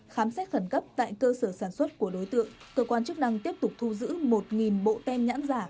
khám xét khẩn cấp tại cơ sở sản xuất của đối tượng cơ quan chức năng tiếp tục thu giữ một bộ tem nhãn giả